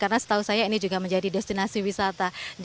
karena setahu saya ini juga menjadi destinasi wisata